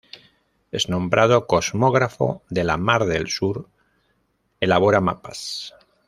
Es nombrado Cosmógrafo de la Mar del Sur, elabora mapas.